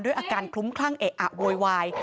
อาการคลุ้มคลั่งเอะอะโวยวาย